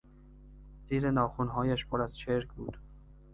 زیر ناخنهایش پر از چرک بود.